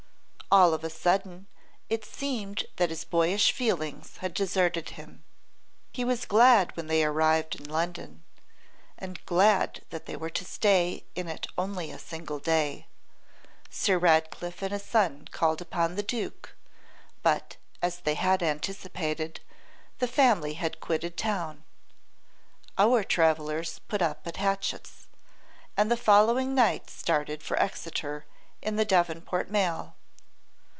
All of a sudden it seemed that his boyish feelings had deserted him. He was glad when they arrived in London, and glad that they were to stay in it only a single day. Sir Ratcliffe and his son called upon the Duke; but, as they had anticipated, the family had quitted town. Our travellers put up at Hatchett's, and the following night started for Exeter in the Devonport mail.